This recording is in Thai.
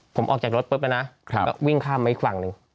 ผมออกจากรถปุ๊บแล้วนะก็วิ่งข้ามมาอีกฝั่งหนึ่ง